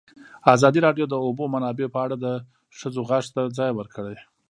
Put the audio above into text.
ازادي راډیو د د اوبو منابع په اړه د ښځو غږ ته ځای ورکړی.